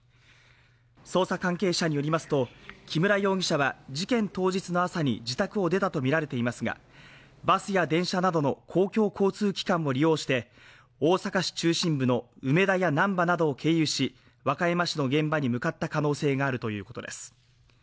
捜査関係者によりますと木村容疑者は事件当日の朝に自宅を出たとみられていますが、バスや電車などの公共交通機関を利用して大阪市中心部の梅田や難波などを経由し、和歌山市の現場に向かった可能性があるということです。